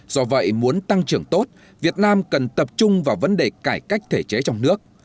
do vậy muốn tăng trưởng tốt việt nam cần tập trung vào vấn đề cải cách thể chế trong nước